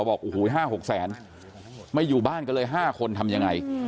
บอก๕๖แสนไม่อยู่บ้านกันเลย๕คนทำอย่างไร